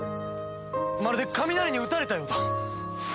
まるで雷に打たれたようだ！